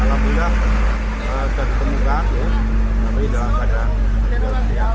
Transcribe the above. alhamdulillah tidak ditemukan tapi tidak ada